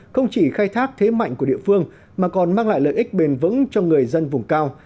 không chỉ khai thác thế mạnh của địa phương mà còn mang lại lợi ích bền vững cho người dân vùng cao